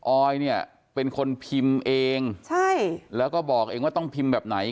ออยเนี่ยเป็นคนพิมพ์เองใช่แล้วก็บอกเองว่าต้องพิมพ์แบบไหน